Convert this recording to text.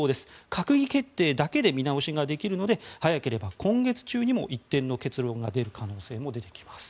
閣議決定だけで見直しができるので早ければ今月中にも一定の結論が出る可能性も出てきます。